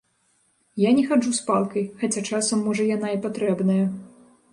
Я не хаджу з палкай, хаця часам можа яна і патрэбная.